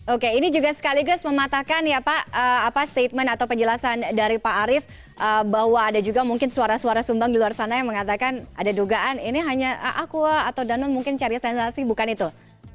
oke ini juga sekaligus mematahkan ya pak apa statement atau penjelasan dari pak arief bahwa ada juga mungkin suara suara sumbang di luar sana yang mengatakan ada dugaan ini hanya aqua atau danon mungkin cari sensasi bukan itu